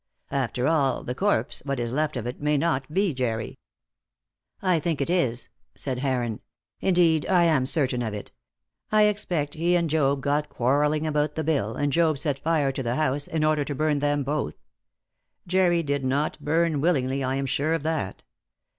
After all, the corpse what is left of it may not be Jerry!" "I think it is," said Heron. "Indeed, I am certain of it. I expect he and Job got quarrelling about the bill, and Job set fire to the house in order to burn them both. Jerry did not burn willingly, I am sure of that.